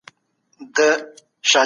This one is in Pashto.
استاد وويل چي د مطالعې مينه فطري نه ده.